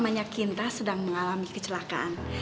mamanya kinta sedang mengalami kecelakaan